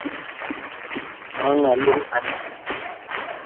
Mangaaluu ane